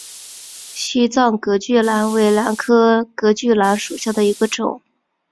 西藏隔距兰为兰科隔距兰属下的一个种。